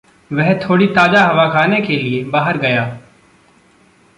वह थोड़ी ताज़ा हवा खाने के लिए बाहर गया।